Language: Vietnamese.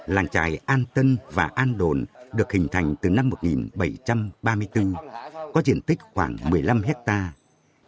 làng trài an tân và an đồn được hình thành từ năm một nghìn bảy trăm ba mươi bốn có diện tích khoảng một mươi năm hectare